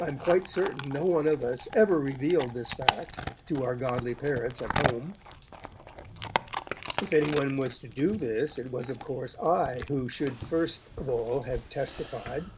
I am quite certain no one of us ever revealed this fact to our godly parents at home. If any one was to do this, it was of course I who should first of all have 'testified'.